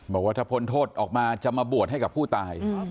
บอกว่าถ้าพ้นโทษออกมาจะมาบวชให้กับผู้ตาย